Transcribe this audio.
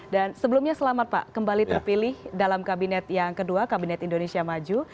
dan sebelumnya selamat pak kembali terpilih dalam kabinet yang kedua kabinet indonesia maju